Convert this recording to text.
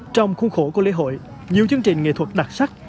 trong khuôn khổ của lễ hội nhiều chương trình nghệ thuật đặc sắc